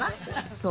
そう。